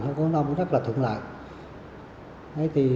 và các tỉnh đồng bằng rất là thượng lạ